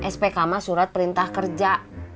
spk mak surat perintah kerja